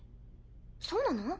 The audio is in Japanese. そうなの？